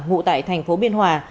ngụ tại tp biên hòa